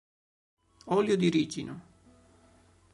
Olio di ricino!".